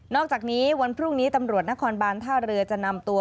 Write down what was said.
อกจากนี้วันพรุ่งนี้ตำรวจนครบานท่าเรือจะนำตัว